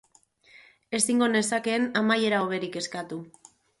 Ezingo nezakeen amaiera hoberik eskatu.